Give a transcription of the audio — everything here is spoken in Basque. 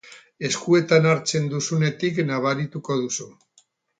Eskuetan hartzen duzunetik nabarituko duzu.